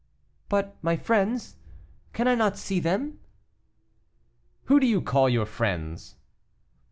"But, my friends cannot I see them?" "Who do you call your friends?"